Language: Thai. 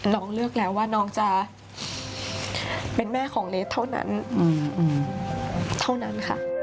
เลือกแล้วว่าน้องจะเป็นแม่ของเลสเท่านั้นค่ะ